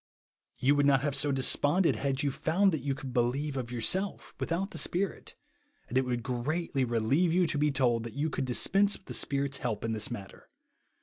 You would not have so des ponded had you found that you could believe of yourself, without the Spirit ; and it would greatly relieve you to be told that you could dispense with the Spirit's help in this matter.